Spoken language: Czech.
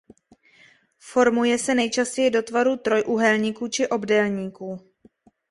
Formuje se nejčastěji do tvaru trojúhelníku či obdélníku.